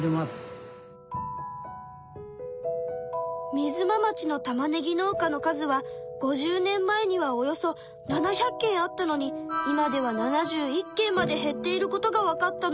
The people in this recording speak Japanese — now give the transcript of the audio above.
みづま町のたまねぎ農家の数は５０年前にはおよそ７００軒あったのに今では７１軒まで減っていることがわかったの。